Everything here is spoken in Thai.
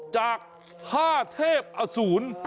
จาก๕เทพอสูร